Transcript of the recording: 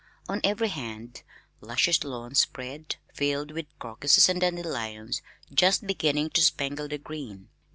On every hand luscious lawns spread, filled with crocuses and dandelions just beginning to spangle the green.